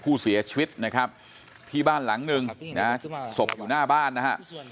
ผู้เสียชีวิตนะครับที่บ้านหลังหนึ่งนะฮะศพอยู่หน้าบ้านนะฮะ